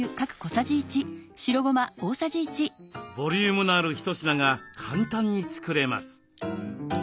ボリュームのある一品が簡単に作れます。